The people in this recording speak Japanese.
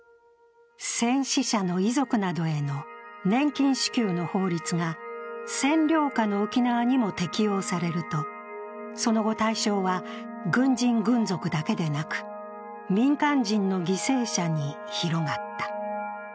戦死者の遺族などへの年金支給の法律が占領下の沖縄にも適用されるとその後、対象は、軍人・軍属だけでなく民間人の犠牲者に広がった。